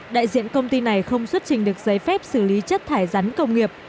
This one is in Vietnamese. đại diện công ty này không xuất trình được giấy phép xử lý chất thải rắn công nghiệp